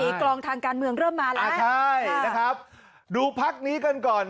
กรองทางการเมืองเริ่มมาแล้วอ่าใช่นะครับดูพักนี้กันก่อน